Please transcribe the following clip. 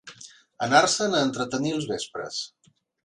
Anar-se'n a entretenir els vespres